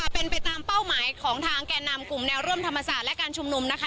เป็นไปตามเป้าหมายของทางแก่นำกลุ่มแนวร่วมธรรมศาสตร์และการชุมนุมนะคะ